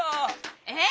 えっ！？